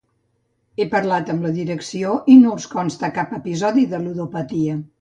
He parlat amb la direcció i no els consta cap episodi de ludopatia.